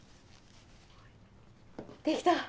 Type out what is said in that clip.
できた！